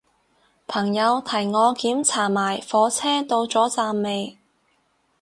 朋友提我檢查埋火車到咗站未